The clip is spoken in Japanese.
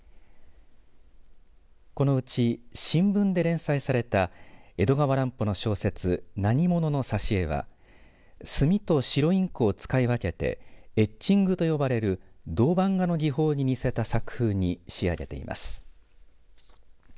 このうち新聞で連載された江戸川乱歩の小説、何者の挿絵は墨と白インクを使い分けてエッチングと呼ばれる銅版画の技法に似せた作風に仕上げています。